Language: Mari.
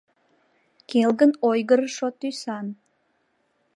Келгын ойгырышо тӱсан;